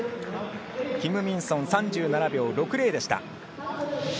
キム・ミンソン３７秒６０でした。